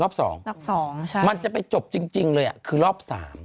รอบ๒มันจะไปจบจริงเลยคือรอบ๓